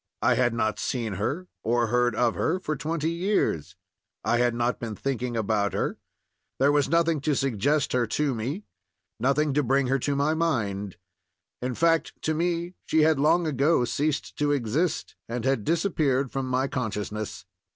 I had not seen her or heard of her for twenty years; I had not been thinking about her; there was nothing to suggest her to me, nothing to bring her to my mind; in fact, to me she had long ago ceased to exist, and had disappeared from my consciousness.